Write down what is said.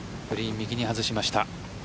グリーン右に外しました。